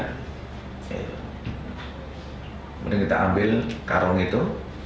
kemudian kita ambil karung itu